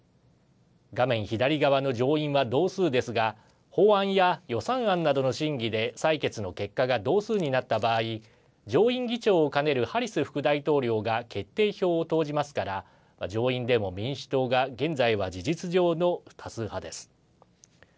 画面左側の上院は同数ですが法案や予算案などの審議で採決の結果が同数になった場合上院議長を兼ねるハリス副大統領が決定票を投じますから上院でも民主党が現在は事実上の多数派です。